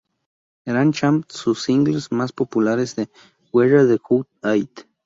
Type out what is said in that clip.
Grand Champ sus los singles más populares son "Where the Hood At?